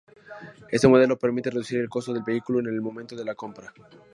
Este modelo permite reducir el costo del vehículo en el momento de la compra.